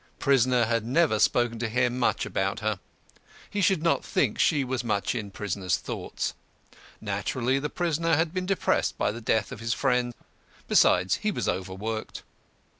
Prisoner had never spoken to him much about her. He should not think she was much in prisoner's thoughts. Naturally the prisoner had been depressed by the death of his friend. Besides, he was overworked.